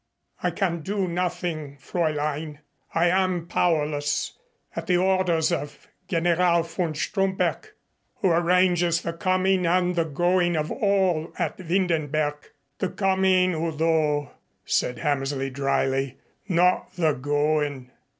"I can do nothing, Fräulein. I am powerless at the orders of General von Stromberg, who arranges the coming and the going of all at Windenberg." "The coming, Udo," said Hammersley dryly. "Not the going."